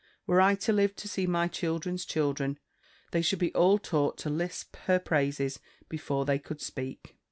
Were I to live to see my children's children, they should be all taught to lisp her praises before they could speak.